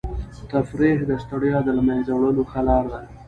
تفریح د ستړیا د له منځه وړلو ښه لاره ده.